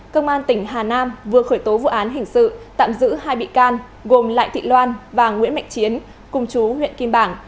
công an tỉnh hà nam vừa khởi tố vụ án hình sự tạm giữ hai bị can gồm lại thị loan và nguyễn mạnh chiến cùng chú huyện kim bảng